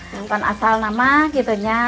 bukan asal nama gitu ya